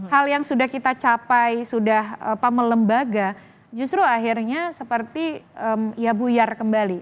hal yang sudah kita capai sudah melembaga justru akhirnya seperti ya buyar kembali